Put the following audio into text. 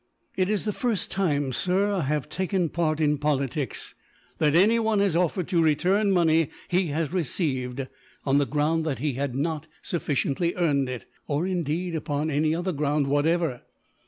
"It is the first time, sir, since I have taken part in politics, that anyone has offered to return money he has received on the ground that he had not sufficiently earned it; or indeed, upon any other ground, whatever.